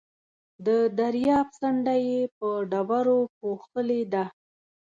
د درياب څنډه يې په ډبرو پوښلې ده.